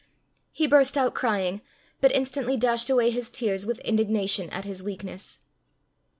He burst out crying, but instantly dashed away his tears with indignation at his weakness.